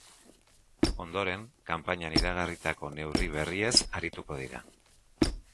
Ondoren, kanpainian iragarritako neurri berriez arituko dira.